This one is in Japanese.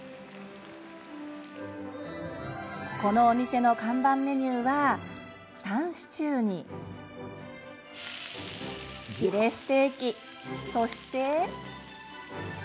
このお店の看板メニューはタンシチューにヒレステーキそして。